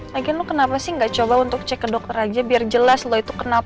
lagian lu kenapa sih gak coba untuk cek ke dokter aja biar jelas loh itu kenapa